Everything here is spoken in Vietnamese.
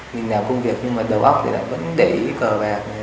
mình làm công việc nhưng mà đầu óc thì là vẫn để ý cờ vẹt